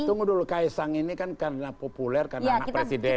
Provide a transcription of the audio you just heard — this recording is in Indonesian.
tunggu dulu kaisang ini kan karena populer karena anak presiden